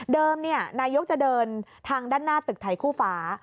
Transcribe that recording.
นายกจะเดินทางด้านหน้าตึกไทยคู่ฟ้า